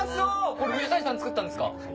これ藤谷さん作ったんすか？